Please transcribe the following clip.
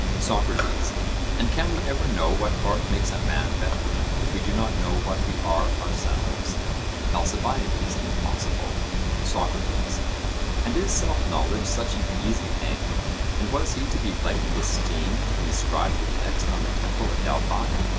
SOCRATES: And can we ever know what art makes a man better, if we do not know what we are ourselves? ALCIBIADES: Impossible. SOCRATES: And is self knowledge such an easy thing, and was he to be lightly esteemed who inscribed the text on the temple at Delphi?